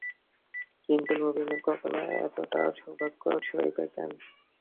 কিন্তু নবীনের কপালে এতটা সৌভাগ্য সইবে কেন?